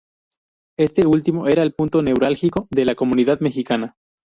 Este último era el punto neurálgico de la comunidad mexicana.